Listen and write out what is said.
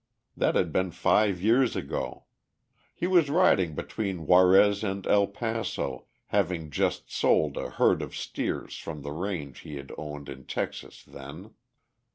That had been five years ago. He was riding between Juarez and El Paso, having just sold a herd of steers from the range he had owned in Texas then.